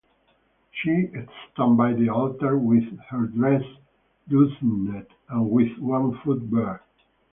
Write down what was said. She stands by the altar with her dress loosened and with one foot bare.